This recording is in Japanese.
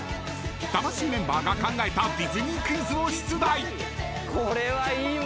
［魂メンバーが考えたディズニークイズを出題！］